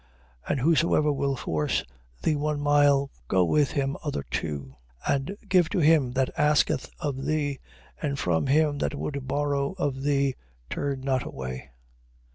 5:41. And whosoever will force thee one mile, go with him other two. 5:42. Give to him that asketh of thee, and from him that would borrow of thee turn not away.